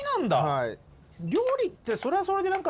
はい。